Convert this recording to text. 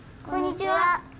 こんにちは。